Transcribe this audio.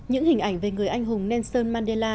những hình ảnh về người anh hùng nelson mandela